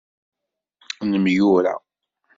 Nemyura.